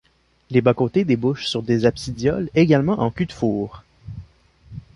Les bas-côtés débouchent sur des absidioles également en cul-de-four.